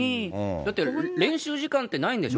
だって練習時間ってないんでしょ。